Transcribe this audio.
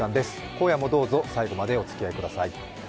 今夜もどうぞ、最後までおつき合いください。